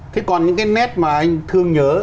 thế còn những cái nét mà anh thương nhớ